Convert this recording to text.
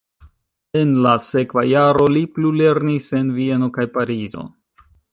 En la sekva jaro li plulernis en Vieno kaj Parizo.